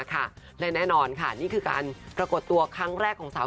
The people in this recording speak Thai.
เมื่อช่วงเช้าที่ผ่านมาค่ะและแน่นอนค่ะนี่คือการปรากฏตัวครั้งแรกของสาว